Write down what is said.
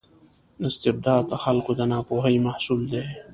استبداد د خلکو د ناپوهۍ محصول دی.